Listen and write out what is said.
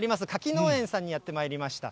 柿農園さんにやってまいりました。